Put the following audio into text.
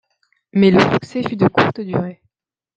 Mais le succès fut de courte durée.